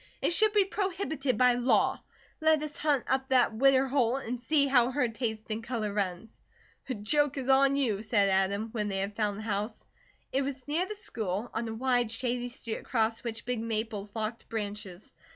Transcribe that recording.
It should be prohibited by law. Let us hunt up the Widder Holt and see how her taste in colour runs." "The joke is on you," said Adam, when they had found the house. It was near the school, on a wide shady street across which big maples locked branches.